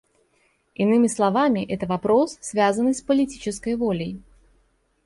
Иными словами, это — вопрос, связанный с политической волей.